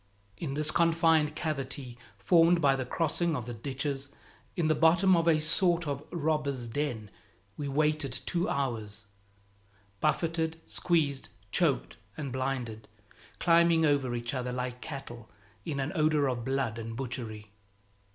In this confined cavity formed by the crossing of the ditches, in the bottom of a sort of robbers' den, we waited two hours, buffeted, squeezed, choked and blinded, climbing over each other like cattle, in an odor of blood and butchery.